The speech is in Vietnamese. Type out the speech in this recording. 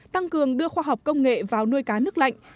tăng cường đưa khoa học công nghệ vào nuôi cá nước lạnh